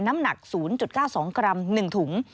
น้ำหนัก๐๙๒กรัม๑ถุง